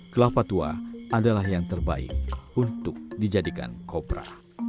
kelapa tua adalah yang terbaik untuk dijadikan kopra